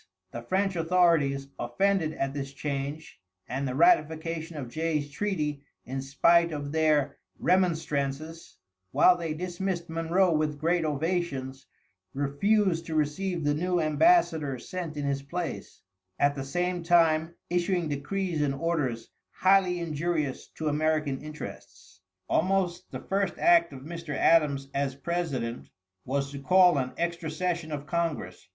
The French authorities, offended at this change, and the ratification of Jay's treaty in spite of their remonstrances, while they dismissed Monroe with great ovations, refused to receive the new embassador sent in his place, at the same time issuing decrees and orders highly injurious to American interests. Almost the first act of Mr. Adams, as President, was to call an extra session of Congress.